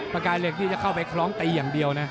ประกายเหล็กที่จะเข้าไปคล้องตีอย่างเดียวนะ